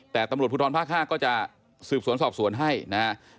แต่ตำรวจภูทรภาค๕ก็จะสืบสวนสอบสวนให้นะครับ